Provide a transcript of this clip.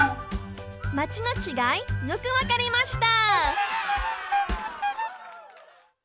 「マチ」のちがいよくわかりました！